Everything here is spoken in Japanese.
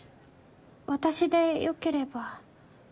私でよければ。